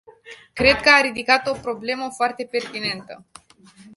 Cred că a ridicat o problemă foarte pertinentă.